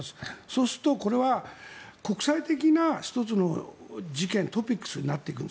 そうすると、これは国際的な１つの事件トピックスになっていく。